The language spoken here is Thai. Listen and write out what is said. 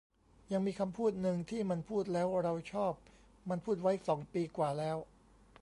ยังมีคำพูดนึงที่มันพูดแล้วเราชอบ มันพูดไว้สองปีกว่าแล้ว